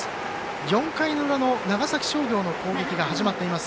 ４回の裏の長崎商業の攻撃が始まっています。